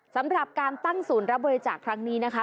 สำหรับการตั้งศูนย์รับบริจาคครั้งนี้นะคะ